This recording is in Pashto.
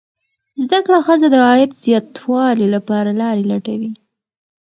زده کړه ښځه د عاید زیاتوالي لپاره لارې لټوي.